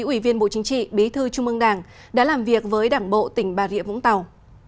ủy viên bộ chính trị bí thư trung ương đảng đã làm việc với đảng bộ tỉnh bà rịa vũng tàu